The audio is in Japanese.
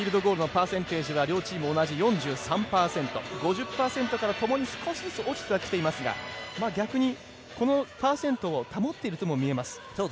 フィールドゴールのパーセンテージは両チーム同じ４３％。５０％からともに少し落ちてはきていますが逆にこのパーセントを保っているようにも見えます。